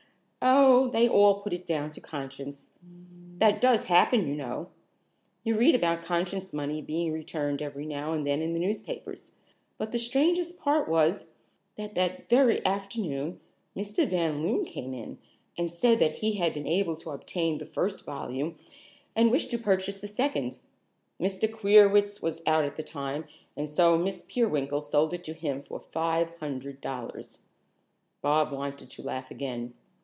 "Oh, they all put it down to conscience. That does happen, you know. You read about conscience money being returned every now and then in the newspapers, but the strangest part was, that that very afternoon Mr. Van Loon came in and said that he had been able to obtain the first volume and wished to purchase the second. Mr. Queerwitz was out at the time, and so Miss Peerwinkle sold it to him for five hundred dollars." Bobs wanted to laugh again.